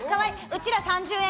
うちら３０円